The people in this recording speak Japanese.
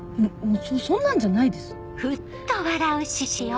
そんなんじゃないです。